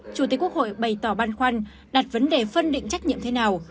chủ tịch quốc hội bày tỏ băn khoăn đặt vấn đề phân định trách nhiệm thế nào